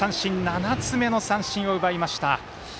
７つ目の三振を奪いました。